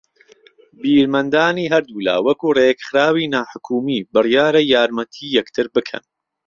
بیرمەندانی ھەردوولا وەكوو رێكخراوی ناحكومی بڕیارە یارمەتی یەكتر بكەن